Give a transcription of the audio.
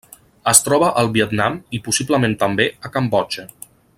Es troba al Vietnam i, possiblement també, a Cambodja.